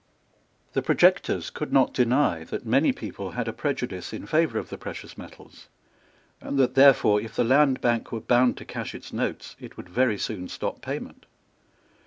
The projectors could not deny that many people had a prejudice in favour of the precious metals, and that therefore, if the Land Bank were bound to cash its notes, it would very soon stop payment.